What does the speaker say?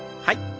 はい。